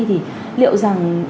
thì liệu rằng